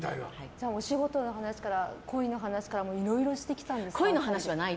お仕事の話から恋の話からいろいろしてきたんですか？